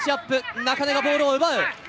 中根がボールを奪う。